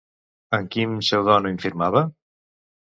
Amb quin pseudònim firmava?